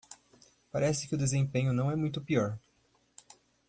Parece que o desempenho não é muito pior.